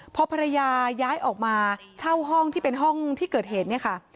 พอภรรยาย้ายออกมาเช่าห้องที่เป็นห้องที่เกิดเหตุเนี่ยค่ะ